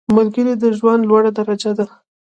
ملګری د ژوند لوړه درجه ده